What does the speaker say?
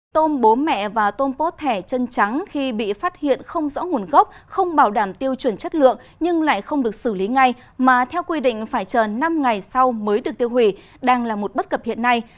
tôm bố mẹ và tôm bố thẻ chân trắng khi bị phát hiện không rõ nguồn gốc không bảo đảm tiêu chuẩn chất lượng nhưng lại không được xử lý ngay mà theo quy định phải chờ năm ngày sau mới được tiêu hủy đang là một bất cập hiện nay